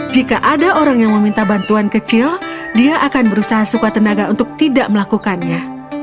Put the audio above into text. jika ada orang yang meminta bantuan kecil dia akan berusaha suka tenaga untuk tidak melakukannya